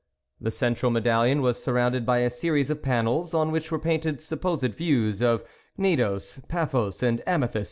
The central medallion was surrounded by a series of panels, on which were painted supposed views of Cnidos, Paphos, and Amathus.